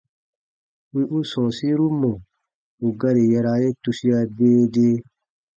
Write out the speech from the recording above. Wì u sɔ̃ɔsiru mɔ̀ ù gari yaraa ye tusia dee dee.